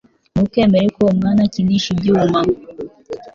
Ntukemere ko umwana akinisha ibyuma